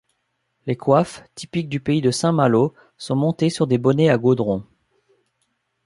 Les coiffes, typiques du pays de Saint-Malo, sont montées sur des bonnets à godrons.